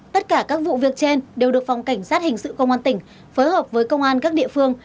tất cả các vụ việc trên đều được phòng cảnh sát hình sự công an tỉnh phối hợp với công an các địa phương